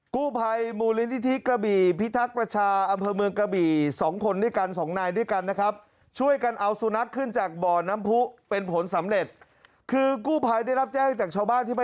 กู้ภัยมูลนิธิกระบี่พิทักษ์ประชาอำเภอเมืองกระบี่สองคนด้วยกันสองนายด้วยกันนะครับช่วยกันเอาสุนัขขึ้นจากบ่อน้ำผู้เป็นผลสำเร็จคือกู้ภัยได้รับแจ้งจากชาวบ้านที่มา